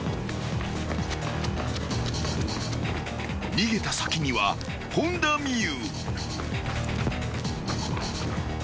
［逃げた先には本田望結］